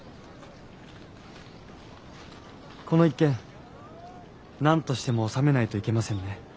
この一件何としても収めないといけませんね。